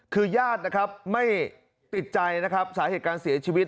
คือญาติไม่ติดใจสาเหตุการณ์เสียชีวิต